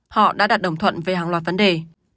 họ đã đặt đồng thuận về hàng loạt vấn đề